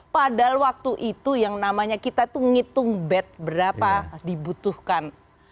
padahal waktu itu kita menghitung bed berapa dibutuhkan